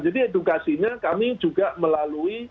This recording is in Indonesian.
jadi edukasinya kami juga melalui